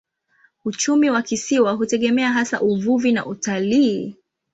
Uchumi wa kisiwa hutegemea hasa uvuvi na utalii.